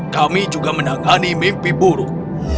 kami juga menangani mimpi buruk